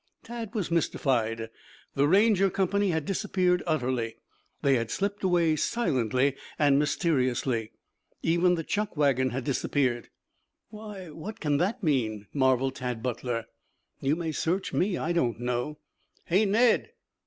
Tad was mystified. The Ranger company had disappeared utterly. They had slipped away silently and mysteriously. Even the chuck wagon had disappeared. "Why, what can it mean?" marveled Tad Butter. "You may search me. I don't know." "Hey, Ned!"